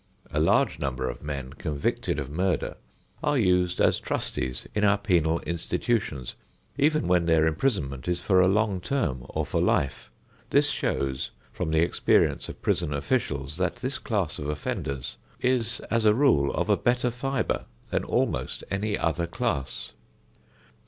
A large number of men convicted of murder are used as "trusties" in our penal institutions, even when their imprisonment is for a long term, or for life. This shows from the experience of prison officials that this class of offenders is, as a rule, of a better fibre than almost any other class.